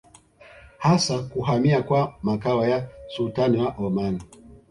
Hasa kuhamia kwa makao ya Sultani wa Omani